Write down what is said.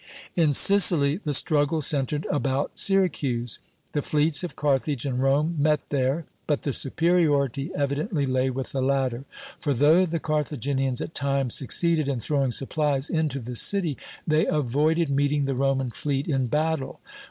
In Sicily, the struggle centred about Syracuse. The fleets of Carthage and Rome met there, but the superiority evidently lay with the latter; for though the Carthaginians at times succeeded in throwing supplies into the city, they avoided meeting the Roman fleet in battle.